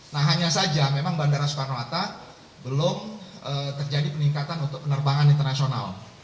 nah hanya saja memang bandara soekarno hatta belum terjadi peningkatan untuk penerbangan internasional